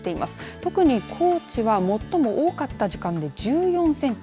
特に高知は最も多かった時間で１４センチ。